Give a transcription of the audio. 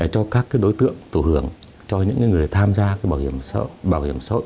cho các đối tượng tổ hưởng cho những người tham gia bảo hiểm xã hội